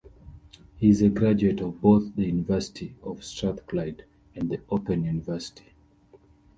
He is a graduate of both the University of Strathclyde and the Open University.